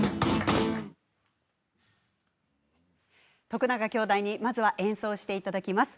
徳永兄弟に、まずは演奏していただきます。